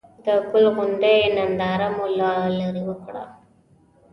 د ګل غونډۍ ننداره مو له ليرې وکړه.